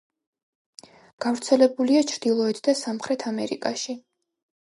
გავრცელებულია ჩრდილოეთ და სამხრეთ ამერიკაში.